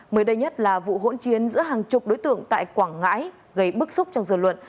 mới đây nhất là vụ hỗn chiến giữa hàng chục đối tượng tại quảng ngãi gây bức xúc trong dư luận